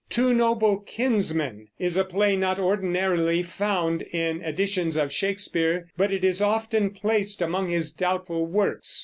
Two Noble Kinsmen is a play not ordinarily found in editions of Shakespeare, but it is often placed among his doubtful works.